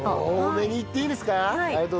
多めにいっていいですか？